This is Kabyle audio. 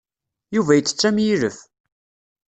Yuba yettett am yilef.